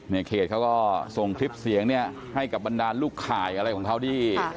เขตเขาก็ส่งคลิปเสียงเนี่ยให้กับบรรดาลูกข่ายอะไรของเขาที่